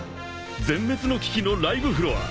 ［全滅の危機のライブフロア］